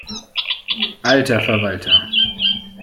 Alter Verwalter!